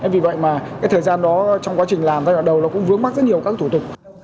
vì vậy mà cái thời gian đó trong quá trình làm giai đoạn đầu nó cũng vướng mắt rất nhiều các thủ tục